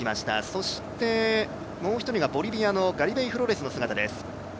そしてもうひとりがボルビアのガリベイ・フロレスの姿です。